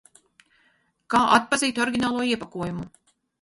Kā atpazīt oriģinālo iepakojumu?